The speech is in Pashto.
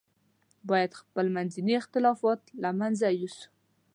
باید خپل منځي اختلافات له منځه یوسو.